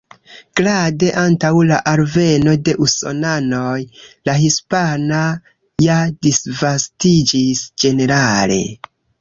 Grade, antaŭ la alveno de Usonanoj, la Hispana ja disvastiĝis ĝenerale.